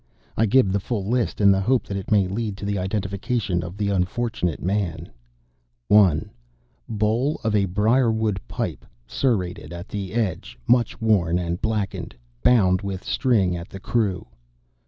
I give the full list in the hope that it may lead to the identification of the unfortunate man: 1. Bowl of a briarwood pipe, serrated at the edge; much worn and blackened; bound with string at the crew.